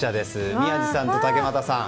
宮司さんと竹俣さん。